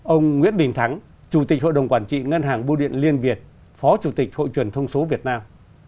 ông nguyễn đình thắng chủ tịch hội đồng quản trị ngân hàng bưu điện liên việt phó chủ tịch hội truyền thông số việt nam